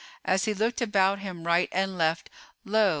As he looked about him right and left, lo!